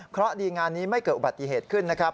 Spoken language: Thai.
เพราะดีงานนี้ไม่เกิดอุบัติเหตุขึ้นนะครับ